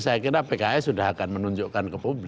saya kira pks sudah akan menunjukkan ke publik